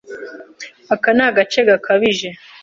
Aka ni agace gakabije.